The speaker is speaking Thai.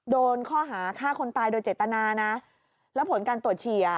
โดนข้อหาฆ่าคนตายโดยเจตนานะแล้วผลการตรวจเฉีย